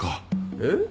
えっ？